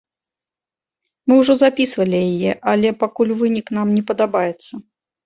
Мы ўжо запісвалі яе, але пакуль вынік нам не падабаецца.